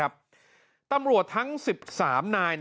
ปรุธทั้ง๑๓นาย